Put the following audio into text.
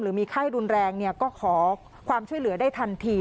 มีไข้รุนแรงก็ขอความช่วยเหลือได้ทันที